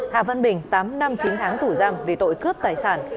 hà văn bình tám năm chín tháng tủ giam vì tội cướp tài sản